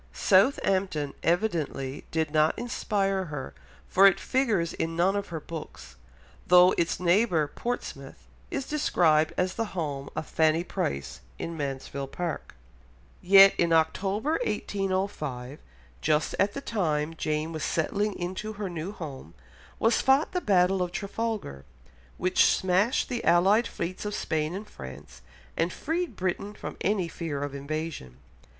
Southampton evidently did not inspire her, for it figures in none of her books, though its neighbour, Portsmouth, is described as the home of Fanny Price in Mansfield Park. Yet in October 1805, just at the time Jane was settling into her new home, was fought the Battle of Trafalgar, which smashed the allied fleets of Spain and France, and freed Britain from any fear of invasion.